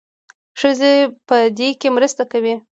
ښځې په دې کې مرسته کوي.